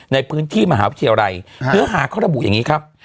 ในพื้นที่มหาวิทยาลัยเนื้อหาเขาระบุอย่างนี้ครับ